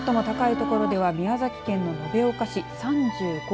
最も高い所では宮崎県の延岡市３５．９度。